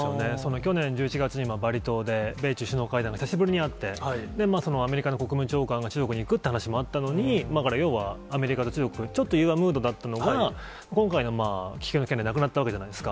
去年１１月にバリ島で米中首脳会談が久しぶりにあって、そのアメリカ国務長官が、中国に行くって話もあったのに、アメリカと中国、ちょっと融和ムードだったのが、今回の気球の件で、なくなったじゃわけじゃないですか。